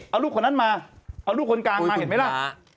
เอาลูกคนนั้นมาเอาลูกคนกลางมาเห็นไหมล่ะ